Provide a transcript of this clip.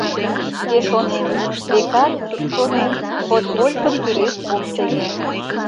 Шке шонем: векат, шонем, подполькым тӱред ом сеҥе...